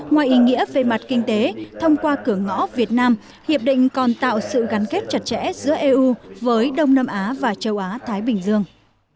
ngoài ý nghĩa về mặt kinh tế thông qua cửa ngõ việt nam hiệp định còn tạo sự gắn kết chặt chẽ giữa eu với đông nam á và châu á thái bình dương